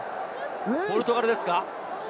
ポルトガルですか。